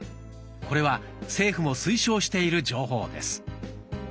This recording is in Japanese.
これは政府も推奨している情報です。